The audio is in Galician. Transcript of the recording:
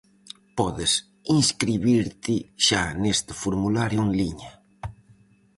Podes inscribirte xa neste formulario en liña.